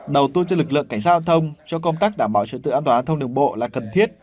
đầu tư cho lực lượng cảnh giao thông cho công tác đảm bảo trật tự an toàn thông đường bộ là cần thiết